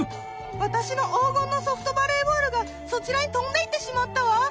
わたしの黄金のソフトバレーボールがそちらにとんでいってしまったわ。